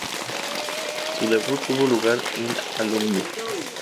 Su debut tuvo lugar en Alumni.